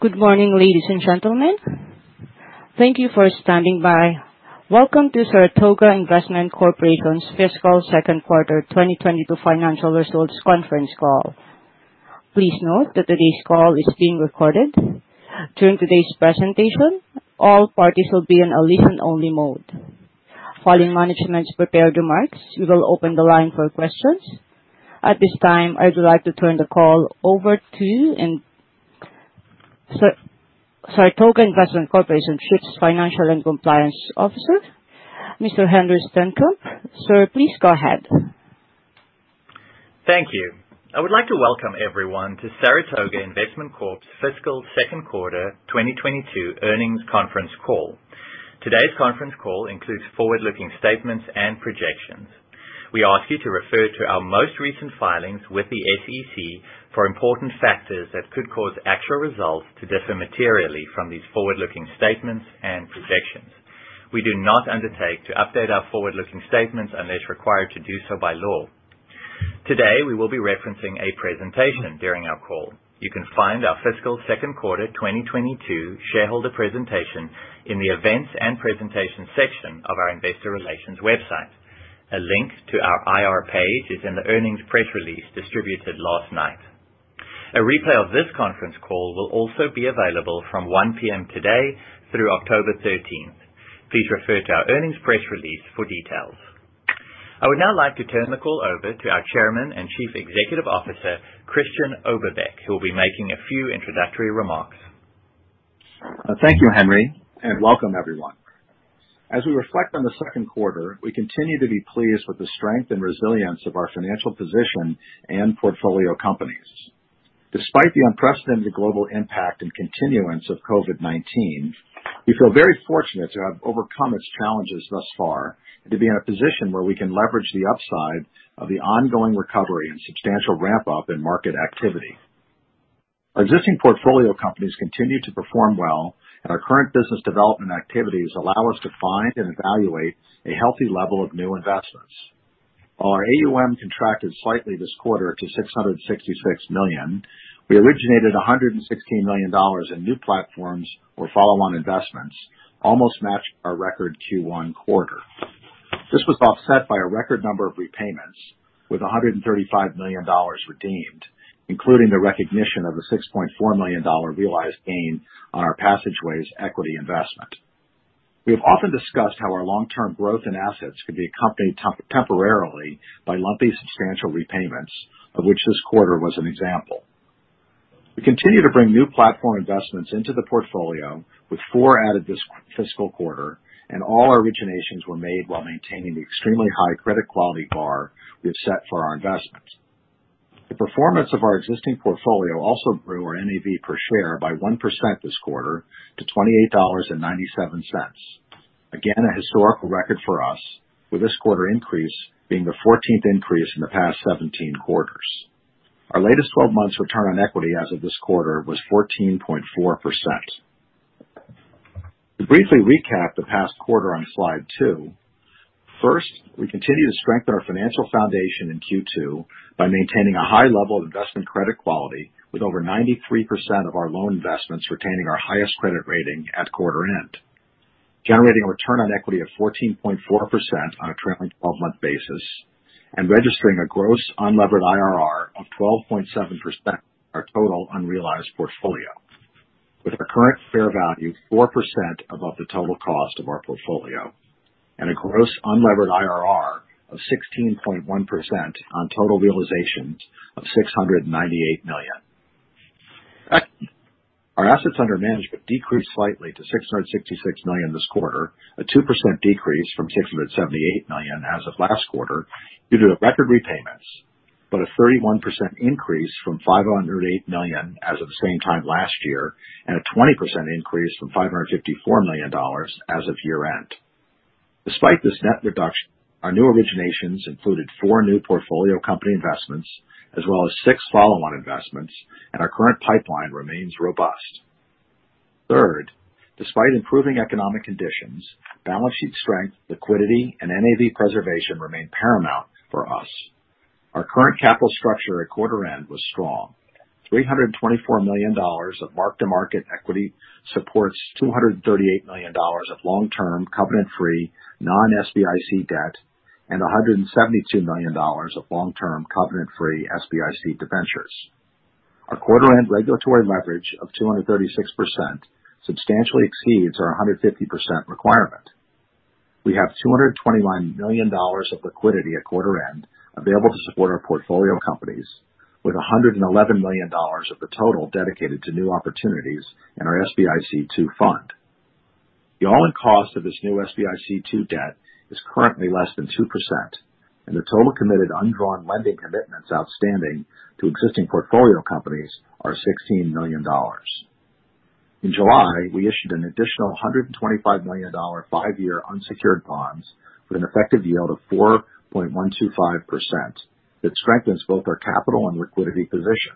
Good morning, ladies and gentlemen. Thank you for standing by. Welcome to Saratoga Investment Corp.'s fiscal second quarter 2022 financial results conference call. Please note that today's call is being recorded. During today's presentation, all parties will be in a listen-only mode. Following management's prepared remarks, we will open the line for questions. At this time, I would like to turn the call over to Saratoga Investment Corp. Chief Financial and Compliance Officer, Mr. Henri Steenkamp. Sir, please go ahead. Thank you. I would like to welcome everyone to Saratoga Investment Corp's fiscal second quarter 2022 earnings conference call. Today's conference call includes forward-looking statements and projections. We ask you to refer to our most recent filings with the SEC for important factors that could cause actual results to differ materially from these forward-looking statements and projections. We do not undertake to update our forward-looking statements unless required to do so by law. Today, we will be referencing a presentation during our call. You can find our fiscal second quarter 2022 shareholder presentation in the events and presentation section of our investor relations website. A link to our IR page is in the earnings press release distributed last night. A replay of this conference call will also be available from 1:00 P.M. today through October 13th. Please refer to our earnings press release for details. I would now like to turn the call over to our Chairman and Chief Executive Officer, Christian Oberbeck, who will be making a few introductory remarks. Thank you, Henri, and welcome everyone. As we reflect on the second quarter, we continue to be pleased with the strength and resilience of our financial position and portfolio companies. Despite the unprecedented global impact and continuance of COVID-19, we feel very fortunate to have overcome its challenges thus far and to be in a position where we can leverage the upside of the ongoing recovery and substantial ramp-up in market activity. Existing portfolio companies continue to perform well, and our current business development activities allow us to find and evaluate a healthy level of new investments. Our AUM contracted slightly this quarter to $666 million. We originated $116 million in new platforms or follow-on investments, almost matching our record Q1 quarter. This was offset by a record number of repayments, with $135 million redeemed, including the recognition of a $6.4 million realized gain on our Passageways equity investment. We have often discussed how our long-term growth in assets can be accompanied temporarily by lumpy, substantial repayments, of which this quarter was an example. We continue to bring new platform investments into the portfolio, with four added this fiscal quarter, and all originations were made while maintaining the extremely high credit quality bar we've set for our investments. The performance of our existing portfolio also grew our NAV per share by 1% this quarter to $28.97. Again, a historical record for us, with this quarter increase being the 14th increase in the past 17 quarters. Our latest 12 months return on equity as of this quarter was 14.4%. To briefly recap the past quarter on slide two. First, we continue to strengthen our financial foundation in Q2 by maintaining a high level of investment credit quality, with over 93% of our loan investments retaining our highest credit rating at quarter end. Generating a return on equity of 14.4% on a trailing 12-month basis. Registering a gross unlevered IRR of 12.7% on our total unrealized portfolio, with our current fair value 4% above the total cost of our portfolio. A gross unlevered IRR of 16.1% on total realizations of $698 million. Our assets under management decreased slightly to $666 million this quarter, a 2% decrease from $678 million as of last quarter, due to record repayments. A 31% increase from $508 million as of the same time last year, and a 20% increase from $554 million as of year-end. Despite this net reduction, our new originations included four new portfolio company investments, as well as six follow-on investments, and our current pipeline remains robust. Third, despite improving economic conditions, balance sheet strength, liquidity, and NAV preservation remain paramount for us. Our current capital structure at quarter end was strong. $324 million of mark-to-market equity supports $238 million of long-term covenant-free non-SBIC debt and $172 million of long-term covenant-free SBIC debentures. Our quarter-end regulatory leverage of 236% substantially exceeds our 150% requirement. We have $221 million of liquidity at quarter end available to support our portfolio companies with $111 million of the total dedicated to new opportunities in our SBIC II fund. The all-in cost of this new SBIC II debt is currently less than 2%, and the total committed undrawn lending commitments outstanding to existing portfolio companies are $16 million. In July, we issued an additional $125 million five-year unsecured bonds with an effective yield of 4.125%. It strengthens both our capital and liquidity position.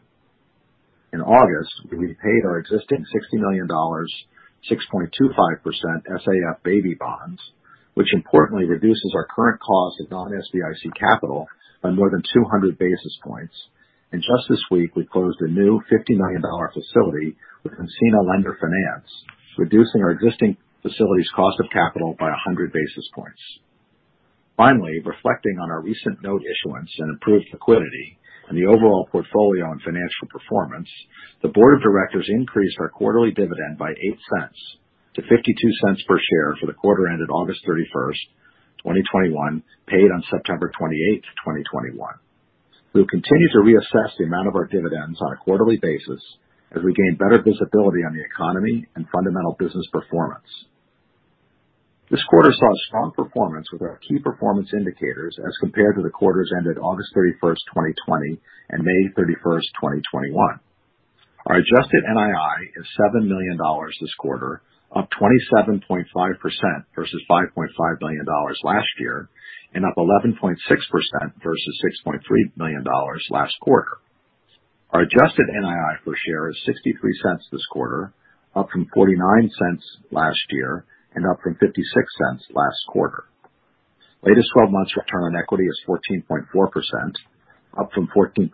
In August, we paid our existing $60 million, 6.25% SAF baby bonds, which importantly reduces our current cost of non-SBIC capital by more than 200 basis points. Just this week, we closed a new $50 million facility with Encina Lender Finance, reducing our existing facilities cost of capital by 100 basis points. Finally, reflecting on our recent note issuance and improved liquidity and the overall portfolio and financial performance, the board of directors increased our quarterly dividend by $0.08-$0.52 per share for the quarter ended August 31st, 2021, paid on September 28th, 2021. We will continue to reassess the amount of our dividends on a quarterly basis as we gain better visibility on the economy and fundamental business performance. This quarter saw strong performance with our key performance indicators as compared to the quarters ended August 31st, 2020 and May 31st, 2021. Our adjusted NII is $7 million this quarter, up 27.5% versus $5.5 million last year, up 11.6% versus $6.3 million last quarter. Our adjusted NII per share is $0.63 this quarter, up from $0.49 last year, up from $0.56 last quarter. Latest 12 months return on equity is 14.4%, up from 14.3%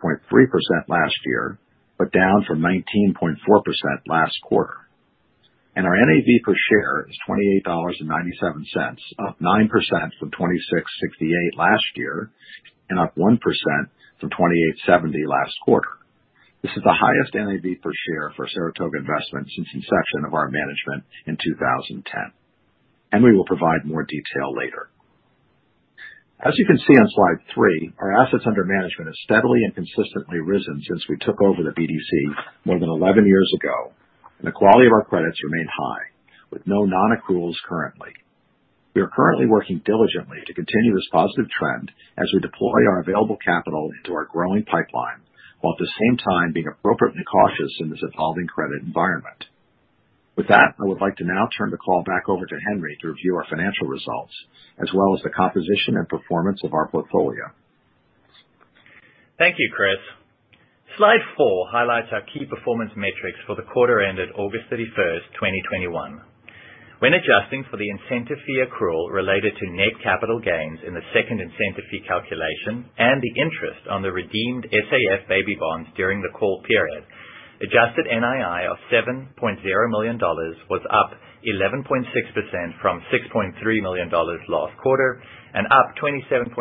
last year, down from 19.4% last quarter. Our NAV per share is $28.97, up 9% from $26.68 last year, up 1% from $28.70 last quarter. This is the highest NAV per share for Saratoga Investment since inception of our management in 2010. We will provide more detail later. As you can see on slide three, our assets under management has steadily and consistently risen since we took over the BDC more than 11 years ago. The quality of our credits remain high, with no non-accruals currently. We are currently working diligently to continue this positive trend as we deploy our available capital into our growing pipeline, while at the same time being appropriately cautious in this evolving credit environment. With that, I would like to now turn the call back over to Henri to review our financial results, as well as the composition and performance of our portfolio. Thank you, Chris. Slide four highlights our key performance metrics for the quarter ended August 31st, 2021. When adjusting for the incentive fee accrual related to net capital gains in the second incentive fee calculation and the interest on the redeemed SAF baby bonds during the call period. Adjusted NII of $7.0 million was up 11.6% from $6.3 million last quarter, and up 27.5%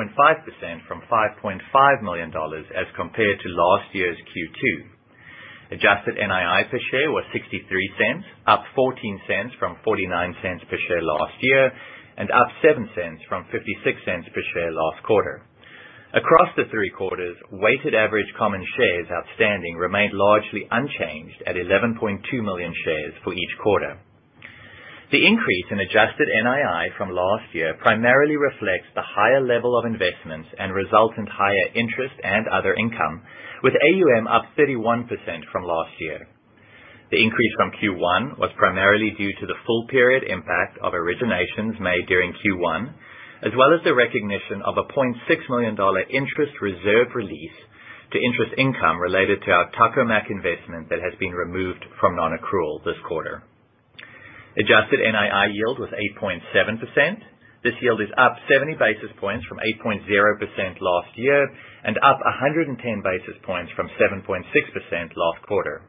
from $5.5 million as compared to last year's Q2. Adjusted NII per share was $0.63, up $0.14 from $0.49 per share last year, and up $0.07 from $0.56 per share last quarter. Across the three quarters, weighted average common shares outstanding remained largely unchanged at 11.2 million shares for each quarter. The increase in adjusted NII from last year primarily reflects the higher level of investments and resultant higher interest and other income, with AUM up 31% from last year. The increase from Q1 was primarily due to the full period impact of originations made during Q1, as well as the recognition of a $0.6 million interest reserve release to interest income related to our Taco Mac investment that has been removed from non-accrual this quarter. Adjusted NII yield was 8.7%. This yield is up 70 basis points from 8.0% last year, and up 110 basis points from 7.6% last quarter.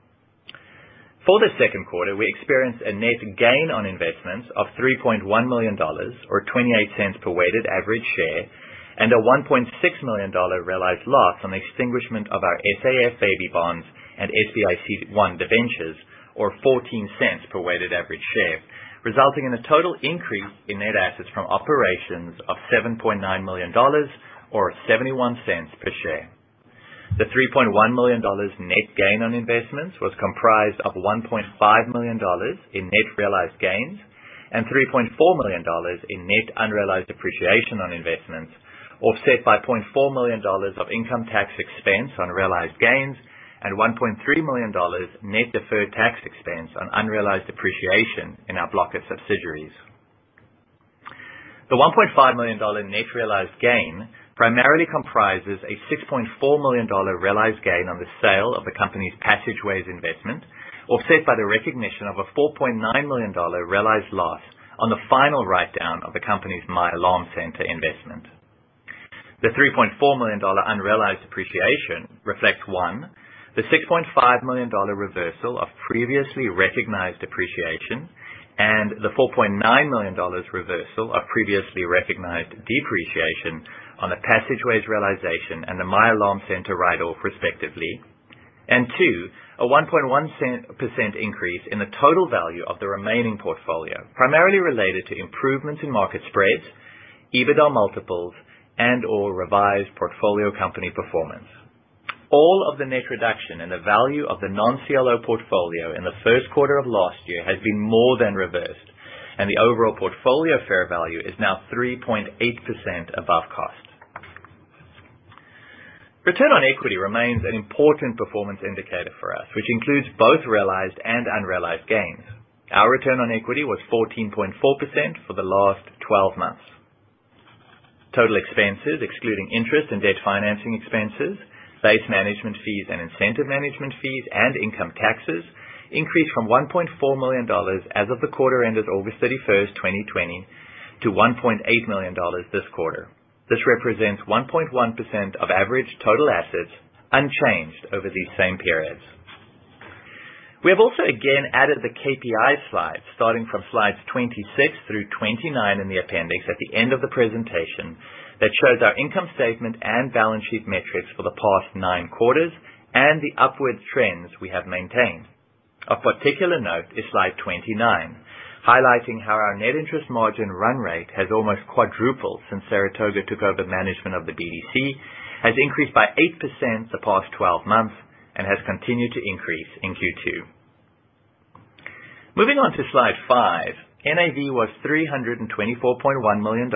For the second quarter, we experienced a net gain on investments of $3.1 million, or $0.28 per weighted average share, and a $1.6 million realized loss on the extinguishment of our SAF baby bonds and SBIC I debentures, or $0.14 per weighted average share, resulting in a total increase in net assets from operations of $7.9 million or $0.71 per share. The $3.1 million net gain on investments was comprised of $1.5 million in net realized gains and $3.4 million in net unrealized appreciation on investments, offset by $0.4 million of income tax expense on realized gains and $1.3 million net deferred tax expense on unrealized appreciation in our blocker subsidiaries. The $1.5 million net realized gain primarily comprises a $6.4 million realized gain on the sale of the company's Passageways investment, offset by the recognition of a $4.9 million realized loss on the final write-down of the company's My Alarm Center investment. The $3.4 million unrealized appreciation reflects, one, the $6.5 million reversal of previously recognized appreciation and the $4.9 million reversal of previously recognized depreciation on the Passageways realization and the My Alarm Center write-off respectively. Two, a 1.1% increase in the total value of the remaining portfolio, primarily related to improvements in market spreads, EBITDA multiples, and/or revised portfolio company performance. All of the net reduction in the value of the non-CLO portfolio in the first quarter of last year has been more than reversed, and the overall portfolio fair value is now 3.8% above cost. Return on equity remains an important performance indicator for us, which includes both realized and unrealized gains. Our return on equity was 14.4% for the last 12 months. Total expenses, excluding interest and debt financing expenses, base management fees and incentive management fees, and income taxes, increased from $1.4 million as of the quarter ended August 31st, 2020, to $1.8 million this quarter. This represents 1.1% of average total assets, unchanged over these same periods. We have also, again, added the KPI slide, starting from Slides 26 through 29 in the appendix at the end of the presentation, that shows our income statement and balance sheet metrics for the past nine quarters, and the upward trends we have maintained. Of particular note is Slide 29, highlighting how our net interest margin run rate has almost quadrupled since Saratoga took over management of the BDC, has increased by 8% the past 12 months, and has continued to increase in Q2. Moving on to Slide five. NAV was $324.1 million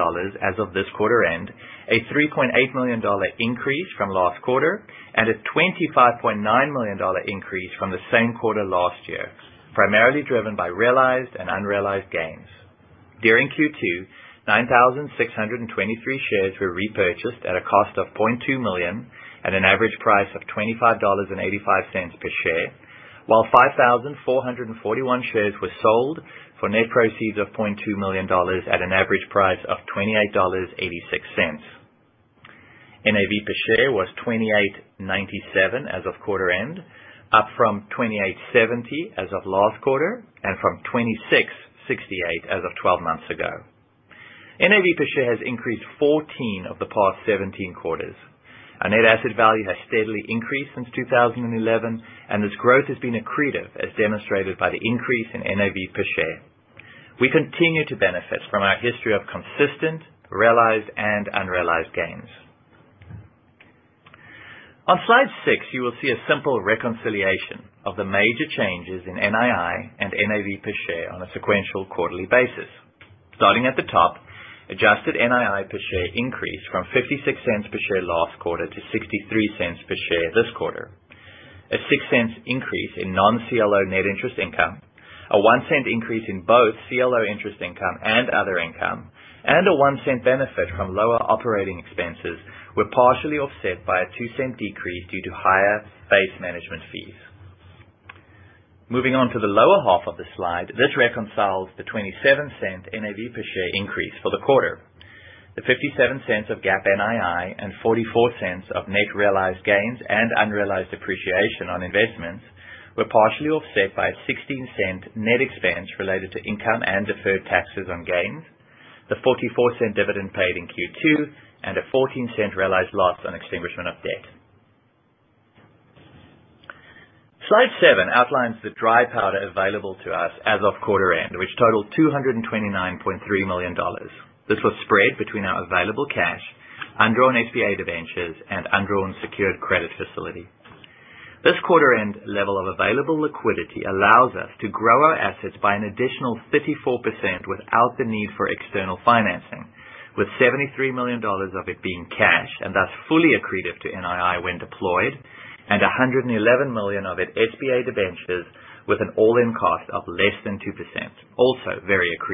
as of this quarter end, a $3.8 million increase from last quarter, and a $25.9 million increase from the same quarter last year, primarily driven by realized and unrealized gains. During Q2, 9,623 shares were repurchased at a cost of $0.2 million at an average price of $25.85 per share, while 5,441 shares were sold for net proceeds of $0.2 million at an average price of $28.86. NAV per share was $28.97 as of quarter end, up from $28.70 as of last quarter and from $26.68 as of 12 months ago. NAV per share has increased 14 of the past 17 quarters. Our net asset value has steadily increased since 2011, and this growth has been accretive, as demonstrated by the increase in NAV per share. We continue to benefit from our history of consistent, realized, and unrealized gains. On Slide six, you will see a simple reconciliation of the major changes in NII and NAV per share on a sequential quarterly basis. Starting at the top, adjusted NII per share increased from $0.56 per share last quarter to $0.63 per share this quarter. A $0.06 increase in non-CLO net interest income, a $0.01 increase in both CLO interest income and other income, and a $0.01 benefit from lower operating expenses were partially offset by a $0.02 decrease due to higher base management fees. Moving on to the lower half of the slide. This reconciles the $0.27 NAV per share increase for the quarter. The $0.57 of GAAP NII and $0.44 of net realized gains and unrealized appreciation on investments were partially offset by a $0.16 net expense related to income and deferred taxes on gains, the $0.44 dividend paid in Q2, and a $0.14 realized loss on extinguishment of debt. Slide seven outlines the dry powder available to us as of quarter end, which totaled $229.3 million. This was spread between our available cash, undrawn SBA debentures, and undrawn secured credit facility. This quarter-end level of available liquidity allows us to grow our assets by an additional 54% without the need for external financing, with $73 million of it being cash, and thus fully accretive to NII when deployed, and $111 million of it SBA debentures with an all-in cost of less than 2%, also very accretive.